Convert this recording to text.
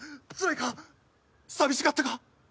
寂しかったか？